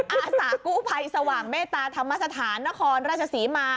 อาสากู้ภัยสว่างเมตตาธรรมสถานนครราชศรีมา